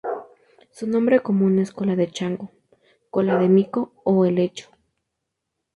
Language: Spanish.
Su nombre común es cola de chango, cola de mico o helecho.